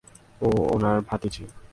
ও উনার ভাতিজী।